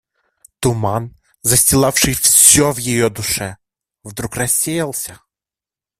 Туман, застилавший всё в ее душе, вдруг рассеялся.